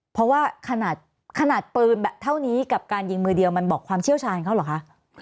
เพราะว่าขนาดปืนแบบเท่านี้กับการยิงมือเดียวมันบอกความเชี่ยวชาญเขาเหรอคะ